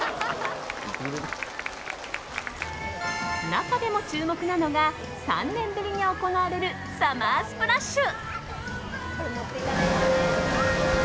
中でも注目なのが３年ぶりに行われるサマースプラッシュ。